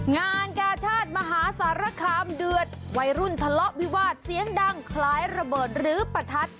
งานกาชาติมหาสารคามเดือดวัยรุ่นทะเลาะวิวาสเสียงดังคล้ายระเบิดหรือประทัด